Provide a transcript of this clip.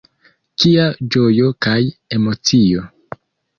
Kia ĝojo kaj emocio!